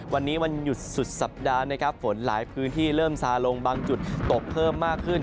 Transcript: วันนี้วันหยุดสุดสัปดาห์นะครับฝนหลายพื้นที่เริ่มซาลงบางจุดตกเพิ่มมากขึ้น